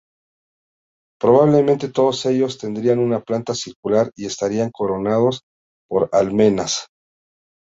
Probablemente todos ellos tendrían una planta circular y estarían coronados por almenas.